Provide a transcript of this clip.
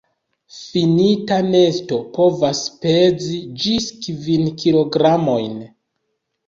Finita nesto povas pezi ĝis kvin kilogramojn..